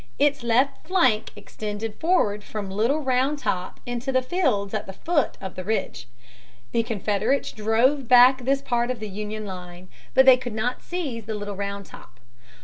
Its left flank extended forward from Little Round Top into the fields at the foot of the ridge. The Confederates drove back this part of the Union line. But they could not seize Little Round Top.